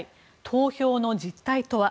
投票の実態とは？